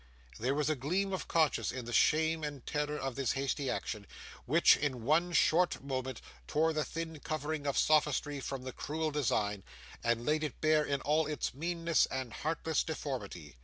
There was a gleam of conscience in the shame and terror of this hasty action, which, in one short moment, tore the thin covering of sophistry from the cruel design, and laid it bare in all its meanness and heartless deformity.